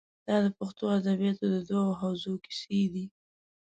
دا د پښتو ادبیاتو د دوو حوزو کیسې دي.